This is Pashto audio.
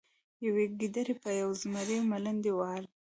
یوې ګیدړې په یو زمري ملنډې وهلې.